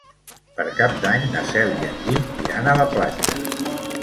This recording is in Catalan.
Per Cap d'Any na Cel i en Guim iran a la platja.